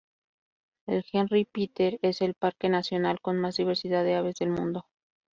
El Henri Pittier es el parque nacional con más diversidad de aves del mundo.